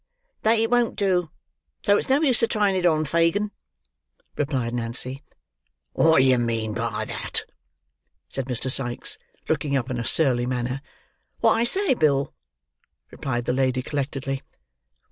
"That it won't do; so it's no use a trying it on, Fagin," replied Nancy. "What do you mean by that?" said Mr. Sikes, looking up in a surly manner. "What I say, Bill," replied the lady collectedly.